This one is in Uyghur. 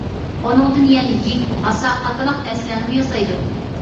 ئۇنىڭدىن يەنە يىك، ھاسا قاتارلىق نەرسىلەرنىمۇ ياسايدۇ.